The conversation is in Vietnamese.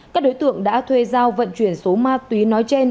các đối tượng đã thuê giao vận chuyển số ma túy nói trên